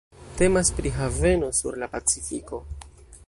Temas pri haveno sur la Pacifiko.